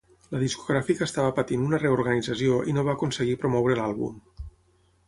La discogràfica estava patint una reorganització i no va aconseguir promoure l'àlbum.